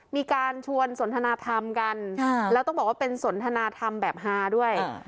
มีการชวนสนทนาธรรมกันแล้วต้องบอกว่าเป็นสนทนาธรรมแบบฮาด้วย